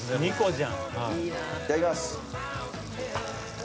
いただきます。